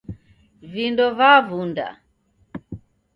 Vindo vavunda